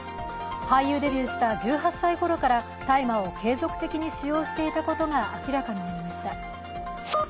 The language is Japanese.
俳優デビューした１８歳ごろから大麻を継続的に使用していたことが明らかになりました。